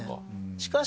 しかし。